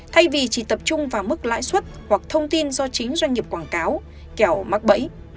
thay vì chỉ tập trung vào mức lãi suất hoặc thông tin do chính doanh nghiệp quảng cáo kèo mắc bẫy